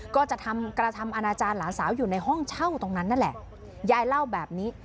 ก็จะทำกระทำอนาจารย์หลานสาวอยู่ในห้องเช่าตรงนั้นนั่นแหละยายเล่าแบบนี้